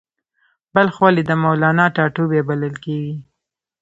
بلخ ولې د مولانا ټاټوبی بلل کیږي؟